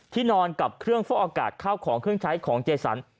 นอนกับเครื่องฟอกอากาศข้าวของเครื่องใช้ของเจสัน